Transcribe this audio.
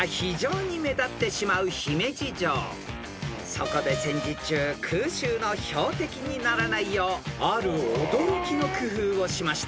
［そこで戦時中空襲の標的にならないようある驚きの工夫をしました］